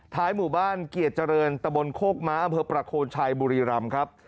หมู่บ้านเกียรติเจริญตะบนโคกม้าอำเภอประโคนชัยบุรีรำครับ